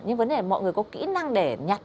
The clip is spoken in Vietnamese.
nhưng vấn đề mọi người có kỹ năng để nhặt